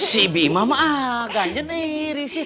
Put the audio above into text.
si bima mah agaknya negeri sih